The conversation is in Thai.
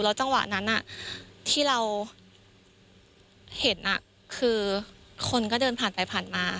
จังหวะนั้นที่เราเห็นคือคนก็เดินผ่านไปผ่านมา